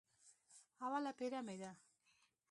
اوله پېره مې ده.